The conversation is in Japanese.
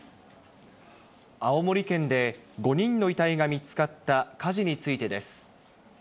青森県で５人の遺体が見つかった火事についてです。